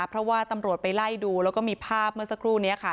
เพราะว่าตำรวจไปไล่ดูแล้วก็มีภาพเมื่อสักครู่นี้ค่ะ